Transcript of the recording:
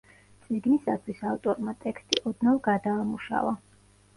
წიგნისათვის ავტორმა ტექსტი ოდნავ გადაამუშავა.